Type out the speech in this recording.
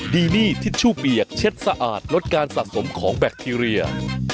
ดีนี่ทิชชู่เปียกเช็ดสะอาดลดการสะสมของแบคทีเรีย